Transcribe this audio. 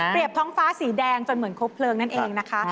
ท้องฟ้าสีแดงจนเหมือนครบเพลิงนั่นเองนะคะ